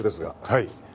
はい。